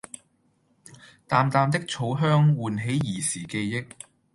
淡淡的草香喚起兒時記憶